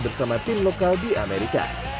bersama tim lokal di amerika